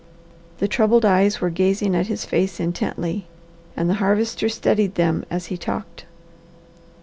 The troubled eyes were gazing on his face intently, and the Harvester studied them as he talked.